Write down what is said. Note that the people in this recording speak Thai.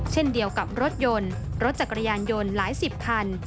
เช่นเดียวกับรถยนต์รถจักรยานยนต์หลายสิบคัน